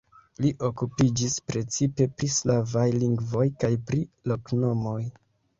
Li okupiĝis precipe pri slavaj lingvoj kaj pri loknomoj.